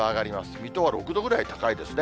水戸は６度ぐらい高いですね。